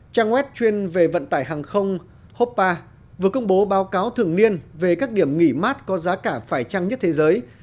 trang web chuyên về vận tải hàng không hopa vừa công bố báo cáo thường niên về các điểm nghỉ mát có giá cả phải trăng nhất thế giới